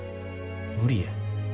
無理や。